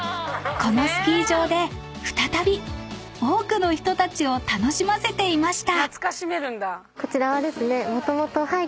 ［このスキー場で再び多くの人たちを楽しませていました］